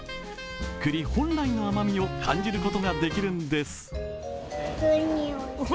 くり本来の甘みを感じることができるんです。